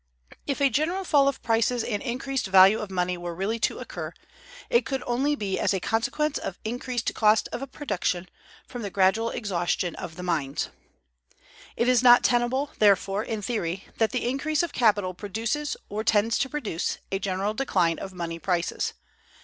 If a general fall of prices and increased value of money were really to occur, it could only be as a consequence of increased cost of production, from the gradual exhaustion of the mines. It is not tenable, therefore, in theory, that the increase of capital produces, or tends to produce, a general decline of money prices.